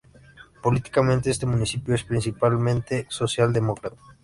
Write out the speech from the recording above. Políticamente, este municipio es principalmente social demócrata.